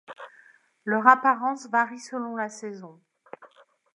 Leur apparence varie selon la saison.